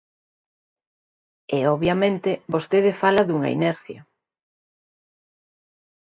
E, obviamente, vostede fala dunha inercia.